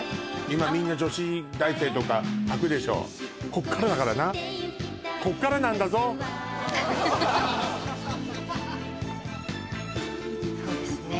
今みんな女子大生とかはくでしょこっからだからなこっからなんだぞそうですね